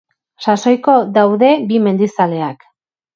Sasoiko daude bi mendizaleak.